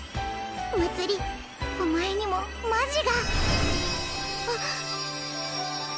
まつりお前にもマジが。